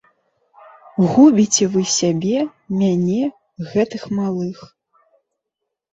Губіце вы сябе, мяне, гэтых малых.